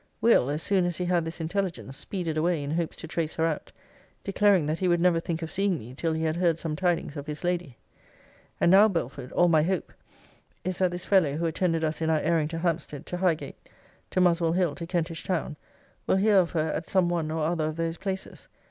'Will., as soon as he had this intelligence, speeded away in hopes to trace her out; declaring, that he would never think of seeing me, till he had heard some tidings of his lady.' And now, Belford, all my hope is, that this fellow (who attended us in our airing to Hampstead, to Highgate, to Muswell hill, to Kentish town) will hear of her at some one or other of those places.